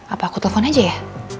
apa aku telepon aja ya